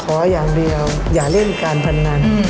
ขออย่างเดียวอย่าเล่นการพนัน